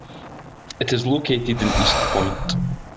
It is located in Eastpoint.